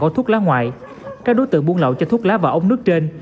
một gói thuốc lá ngoại các đối tượng buôn lậu cho thuốc lá vào ống nước trên